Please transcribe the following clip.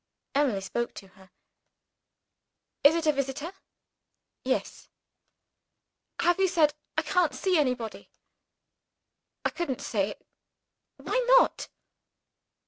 Emily spoke to her. "Is it a visitor?" "Yes." "Have you said I can't see anybody?" "I couldn't say it." "Why not?"